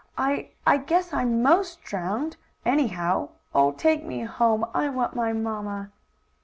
"I I guess I'm 'most drowned, anyhow. Oh, take me home! I want my mamma!"